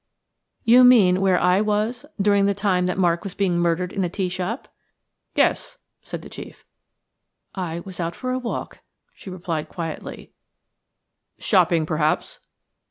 "You mean, where I was during the time that Mark was being murdered in a tea shop?" "Yes," said the chief. "I was out for a walk," she replied quietly. "Shopping, perhaps?"